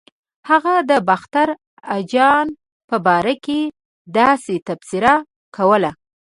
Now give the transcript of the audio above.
هغه د باختر اجان په باره کې داسې تبصره کوله.